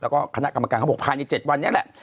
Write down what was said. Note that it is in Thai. แล้วก็คณะกรรมการเขาบอกภายใน๗วันนี้แหละ